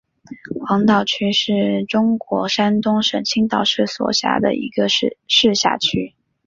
黄岛区是中国山东省青岛市所辖的一个市辖区。